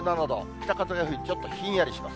北風が吹いてちょっとひんやりします。